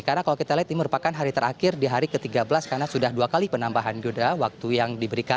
karena kalau kita lihat ini merupakan hari terakhir di hari ke tiga belas karena sudah dua kali penambahan geoda waktu yang diberikan